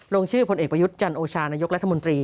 ลงชื่อพลเอกประยุทธ์จันโอชานายกรัฐมนตรี